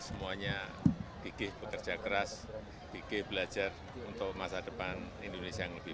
semuanya gigih bekerja keras gigih belajar untuk masa depan indonesia yang lebih